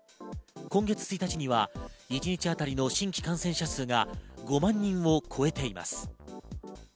今月１日には一日当たりの新規感染者数が５万人を超えています。